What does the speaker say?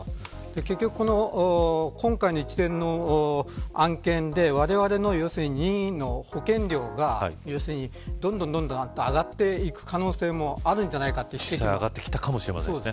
結局、今回の一連の案件でわれわれの任意の保険料がどんどん上がっていく可能性もあるんじゃないかという指摘があります。